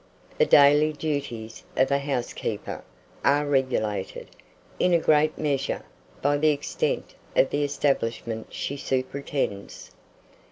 THE DAILY DUTIES OF A HOUSEKEEPER are regulated, in a great measure, by the extent of the establishment she superintends.